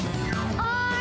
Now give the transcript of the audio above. はい！